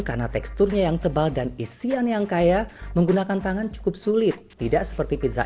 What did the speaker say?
karena teksturnya yang tebal dan isian yang kaya menggunakan tangan cukup sulit tidak seperti pizza